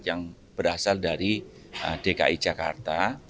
yang berasal dari dki jakarta